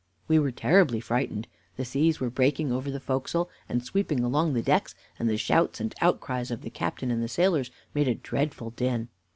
We were terribly frightened. The seas were breaking over the forecastle and sweeping along the decks, and the shouts and outcries of the captain and the sailors made a dreadful din.